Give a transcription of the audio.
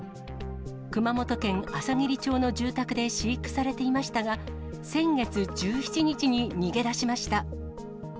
熊本県あさぎり町の住宅で飼育されていましたが、先月１７日に逃げ出しました。